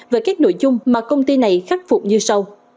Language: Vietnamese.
về các nội dung mà công ty này khắc phục như sau